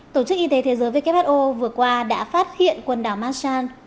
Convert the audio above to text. tổ chức y tế thế giới who vừa qua đã phát hiện quần đảo massan